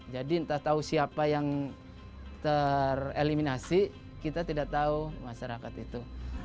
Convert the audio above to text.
jadi entah tahu siapa yang tereliminasi kita tidak tahu masyarakat itu